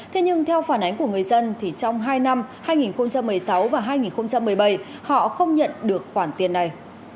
thế nhưng theo phản ánh của người dân thì trong hai năm hai nghìn một mươi sáu và hai nghìn một mươi bảy họ không nhận được khoản tiền này